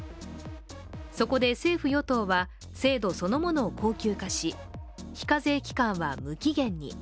そこで政府・与党は制度そのものを恒久化し非課税期間は無期限に。